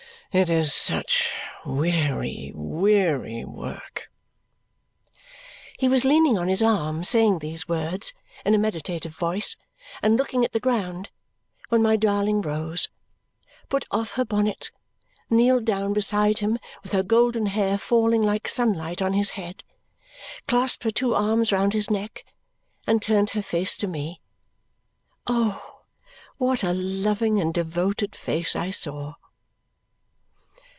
It is such weary, weary work!" He was leaning on his arm saying these words in a meditative voice and looking at the ground when my darling rose, put off her bonnet, kneeled down beside him with her golden hair falling like sunlight on his head, clasped her two arms round his neck, and turned her face to me. Oh, what a loving and devoted face I saw!